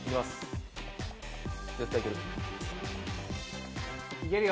絶対いける。